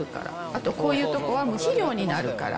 あと、こういうとこは肥料になるから。